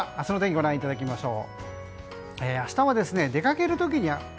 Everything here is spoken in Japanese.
では、明日の天気ご覧いただきましょう。